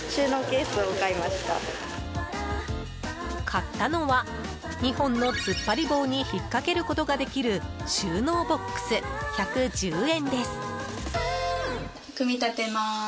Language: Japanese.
買ったのは２本の突っ張り棒に引っかけることができる収納ボックス、１１０円です。